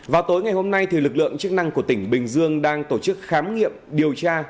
vào tối ngày hôm nay lực lượng chức năng của tỉnh bình dương đang tổ chức khám nghiệm điều tra